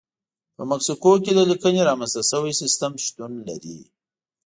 په مکسیکو کې د لیکنې رامنځته شوی سیستم شتون لري.